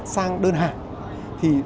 sang đơn hàng